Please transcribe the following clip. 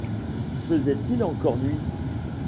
Faisait-il encore nuit ?